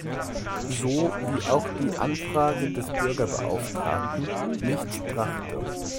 So wie auch die Anfrage des Bürgerbeauftragten nichts brachte.